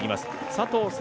佐藤早